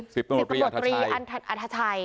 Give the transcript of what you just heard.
สิบตรีอันทชัย